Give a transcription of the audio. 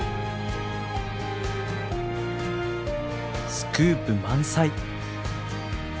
スクープ満載！